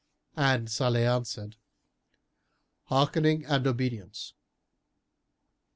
And Salih answered, "Hearkening and obedience."